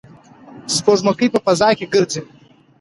سپوږمکۍ په فضا کې ګرځي.